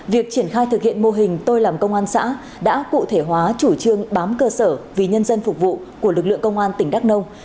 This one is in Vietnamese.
việc triển khai thực hiện mô hình tôi làm công an xã đã cụ thể hóa chủ trương bám cơ sở vì nhân dân phục vụ của lực lượng công an tỉnh đắk nông